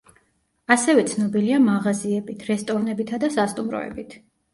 ასევე ცნობილია მაღაზიებით, რესტორნებითა და სასტუმროებით.